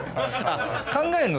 考えるの？